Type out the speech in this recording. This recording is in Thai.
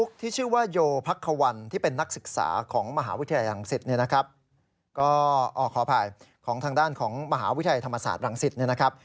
ก็ขออภัยของทางด้านของมหาวิทยาลัยธรรมศาสตร์รังสิตเนี่ยนะครับ